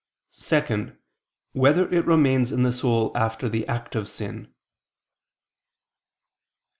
(2) Whether it remains in the soul after the act of sin?